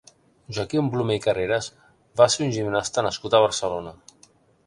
Joaquim Blume i Carreras va ser un gimnasta nascut a Barcelona.